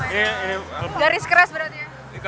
garis keras beratnya